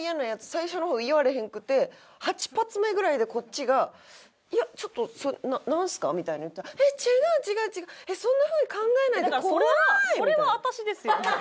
最初の方言われへんくて８発目ぐらいでこっちが「いやちょっとなんすか？」みたいの言ったら「えっ違う違う違うそんなふうに考えないで怖い！」みたいな。